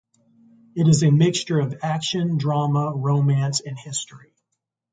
It is a mixture of action, drama, romance, and history.